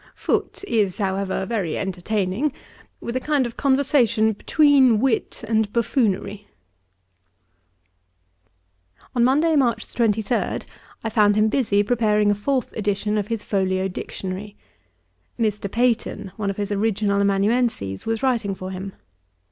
Foote is, however, very entertaining, with a kind of conversation between wit and buffoonery.' On Monday, March 23, I found him busy, preparing a fourth edition of his folio Dictionary. Mr. Peyton, one of his original amanuenses, was writing for him.